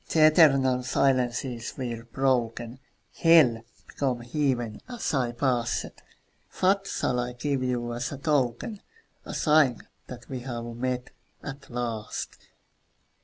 The eternal silences were broken; Hell became Heaven as I passed. What shall I give you as a token, A sign that we have met, at last?